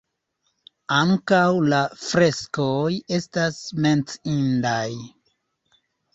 Ankaŭ la freskoj estas menciindaj.